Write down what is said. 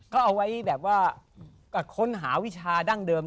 ก็เอาไว้แบบว่าค้นหาวิชาดั้งเดิม